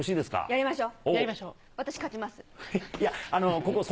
やりましょう。